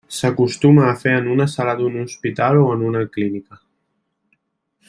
S'acostuma a fer en una sala d'un hospital o en una clínica.